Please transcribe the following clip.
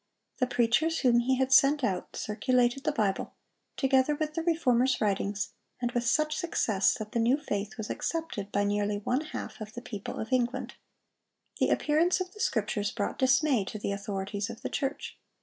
The preachers whom he had sent out circulated the Bible, together with the Reformer's writings, and with such success that the new faith was accepted by nearly one half of the people of England. The appearance of the Scriptures brought dismay to the authorities of the church.